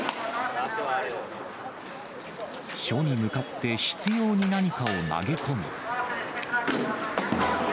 署に向かって執ように何かを投げ込み。